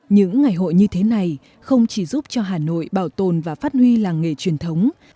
những ngày hội như thế này không chỉ giúp cho hà nội bảo tồn và phát huy làng nghề truyền thống